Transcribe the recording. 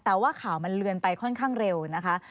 แต่ว่าข่าวมันเลือนไปค่อนข้างเร็วนะคะ